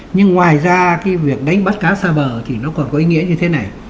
nhưng ngoài ra cái việc đánh bắt cá xa bờ thì nó còn có ý nghĩa như thế này